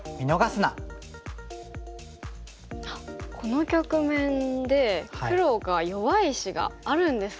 この局面で黒が弱い石があるんですか？